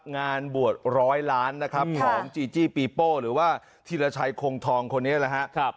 งานบวชร้อยล้านนะครับของจีจี้ปีโป้หรือว่าธีรชัยคงทองคนนี้แหละฮะ